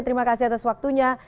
terima kasih atas waktunya